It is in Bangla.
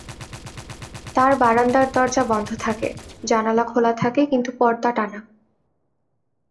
তার বারান্দার দরজা বন্ধ থাকে, জানালা খোলা থাকে কিন্তু পর্দা টানা।